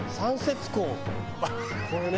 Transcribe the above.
これね。